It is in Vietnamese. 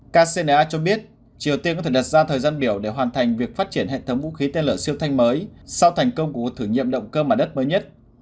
kcna cho biết triều tiên có thể đặt ra thời gian biểu để hoàn thành việc phát triển hệ thống vũ khí tên lửa siêu thanh mới sau thành công của thử nghiệm động cơ mặt đất mới nhất